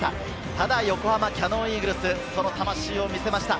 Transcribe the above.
ただ、横浜キヤノンイーグルス、その魂を見せました。